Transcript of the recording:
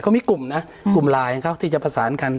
เขามีกลุ่มนะกลุ่มไลน์เขาที่จะประสานกัน